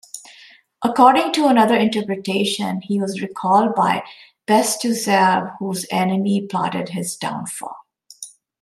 According to another interpretation, he was recalled by Bestuzhev whose enemies plotted his downfall.